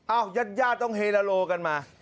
อ้าวยาดต้องเฮลโลกันมา